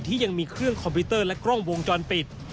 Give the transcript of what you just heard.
ที่ยังมีเครื่องคอมพิวเตอร์และกล้องวงจรปิด